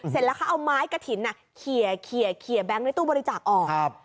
เสร็จแล้วเขาเอาไม้กระถิ่นแบงค์ในตู้บริจาคออก